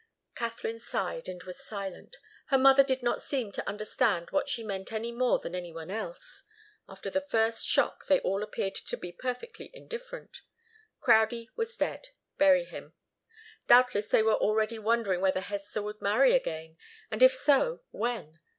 Katharine sighed and was silent. Her mother did not seem to understand what she meant any more than any one else. After the first shock they all appeared to be perfectly indifferent. Crowdie was dead. Bury him! Doubtless they were already wondering whether Hester would marry again, and if so, when.